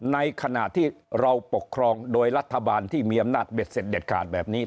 ในขณะที่เราปกครองโดยรัฐบาลที่มีอำนาจเบ็ดเสร็จเด็ดขาดแบบนี้